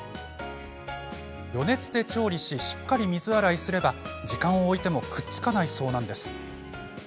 余熱で調理してしっかり水洗いすれば時間を置いてもくっつかないそうなんです。